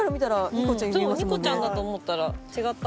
ニコちゃんだと思ったら違った。